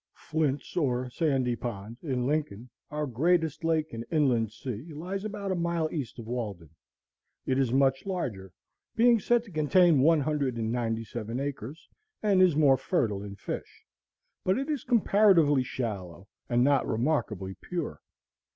Flint's, or Sandy Pond, in Lincoln, our greatest lake and inland sea, lies about a mile east of Walden. It is much larger, being said to contain one hundred and ninety seven acres, and is more fertile in fish; but it is comparatively shallow, and not remarkably pure.